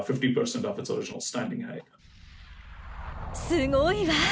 すごいわ。